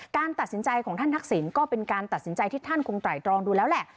การตัดสินใจของท่านทักษิณก็เป็นการตัดสินใจที่ท่านคงไตรตรองดูแล้วแหละ